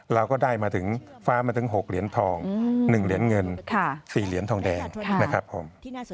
เราก็ได้มาถึงฟ้ามาถึง๖เหรียญทอง๑เหรียญเงิน๔เหรียญทองแดงนะครับผม